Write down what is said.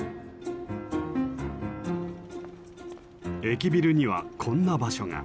駅ビルにはこんな場所が。